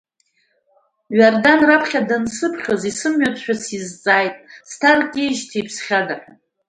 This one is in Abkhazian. Ҩардан, раԥхьа дансыԥхьоз, исымҩатәшәа сизҵааит сҭаркижьҭеи иԥсхьада ҳәа.